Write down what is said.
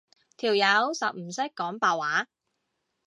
條友實唔識講白話